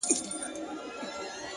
• صحرايي چي ورته وکتل حیران سو,